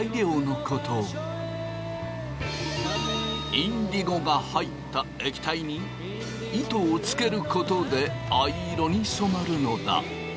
インディゴが入った液体に糸をつけることで藍色に染まるのだ。